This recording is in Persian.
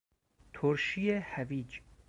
ترشی هویج